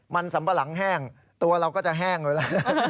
มันสัมปะหลังแห้งตัวเราก็จะแห้งอยู่แล้ว